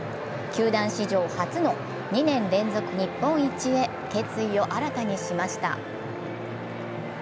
球団史上初の２年連続日本一へ決意を新たにしました。